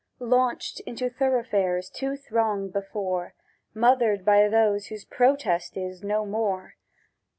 Launched into thoroughfares too thronged before, Mothered by those whose protest is "No more!"